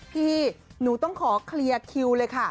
พี่หนูต้องขอเคลียร์คิวเลยค่ะ